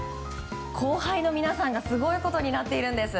後輩の皆さんがすごいことになっているんです。